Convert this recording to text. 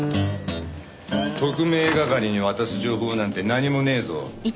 特命係に渡す情報なんて何もねえぞ。